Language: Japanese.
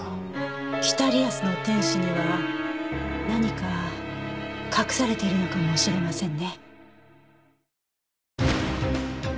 『北リアスの天使』には何か隠されているのかもしれませんね。